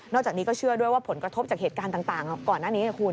จากนี้ก็เชื่อด้วยว่าผลกระทบจากเหตุการณ์ต่างก่อนหน้านี้นะคุณ